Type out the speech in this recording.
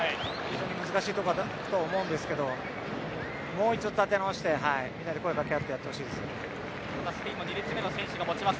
難しいところあると思うんですけどもう一度立て直してみんなで声掛け合ってほしいです。